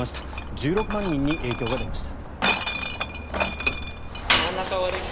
１６万人に影響が出ました。